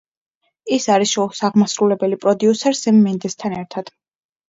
ის არის შოუს აღმასრულებელი პროდიუსერ სემ მენდესთან ერთად.